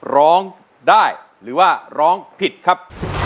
ร้องได้หรือว่าร้องผิดครับ